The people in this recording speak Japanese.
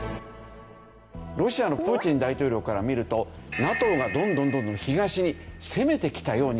ロシアのプーチン大統領から見るとＮＡＴＯがどんどんどんどん東に攻めてきたように見える。